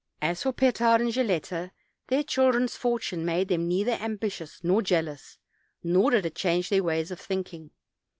As for Petard and Gilletta, their children's fortune made them neither ambitious nor jealous, nor did it change their ways of thinking.